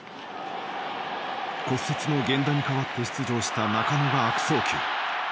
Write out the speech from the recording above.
骨折の源田に代わって出場した中野が悪送球。